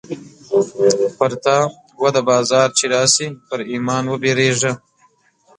پر تا وده بازار چې راسې ، پر ايمان وبيرېږه.